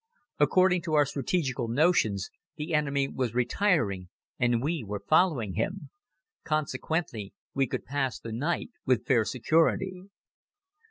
According to our strategical notions, the enemy was retiring and we were following him. Consequently, we could pass the night with fair security.